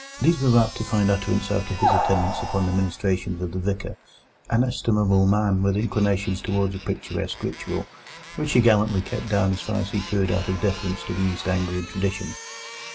These were apt to find utterance after his attendance upon the ministrations of the Vicar, an estimable man with inclinations towards a picturesque ritual, which he gallantly kept down as far as he could out of deference to East Anglian tradition.